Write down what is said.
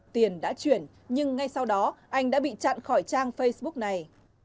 tiền đã chuyển nhưng ngay sau đó anh đã bị chặn khỏi trang facebook này